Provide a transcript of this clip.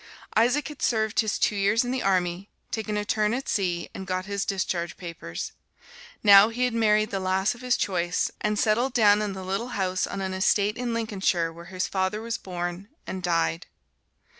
Isaac had served his two years in the army, taken a turn at sea, and got his discharge papers. Now he had married the lass of his choice, and settled down in the little house on an estate in Lincolnshire where his father was born and died.